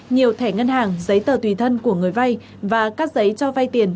nhiều thẻ ngân hàng giấy tờ tùy thân của người vai và các giấy cho vai tiền